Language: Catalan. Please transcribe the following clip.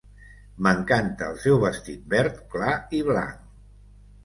M'encanta el seu vestit verd clar i blanc.